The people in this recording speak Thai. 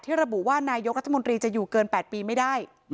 ระบุว่านายกรัฐมนตรีจะอยู่เกิน๘ปีไม่ได้